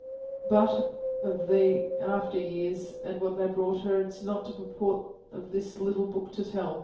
But, of the after years, and what they brought her, it is not the purport of this little book to tell.